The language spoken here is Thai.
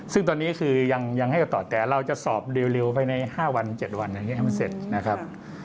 ซึ่งตอนนี้คือยังให้จะตอบแต่เราจะสอบเร็วภายใน๕วัน๗วันอย่างนี้ให้มันเสร็จนะครับ